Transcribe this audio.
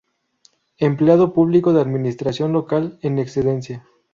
Empleado público de Administración Local en excedencia.